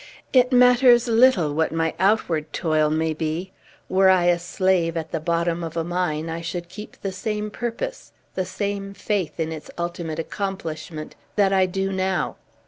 It matters little what my outward toil may be. Were I a slave, at the bottom of a mine, I should keep the same purpose, the same faith in its ultimate accomplishment, that I do now.